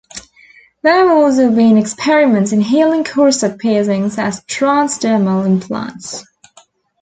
There have also been experiments in healing corset piercings as transdermal implants.